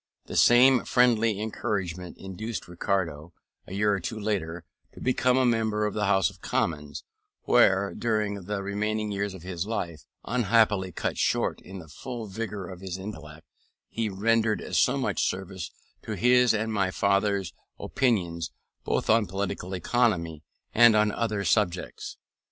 The same friendly encouragement induced Ricardo, a year or two later, to become a member of the House of Commons; where, during the remaining years of his life, unhappily cut short in the full vigour of his intellect, he rendered so much service to his and my father's opinions both on political economy and on other subjects.